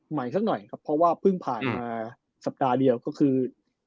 สักหน่อยครับเพราะว่าเพิ่งผ่านมาสัปดาห์เดียวก็คือ